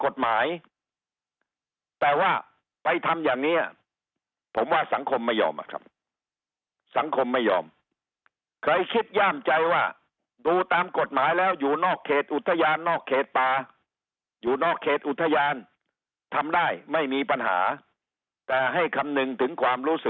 อย่างกดหมายปล่อยทำอย่างเนี้ยผมว่าสังคมไม่ยอมครับสังคม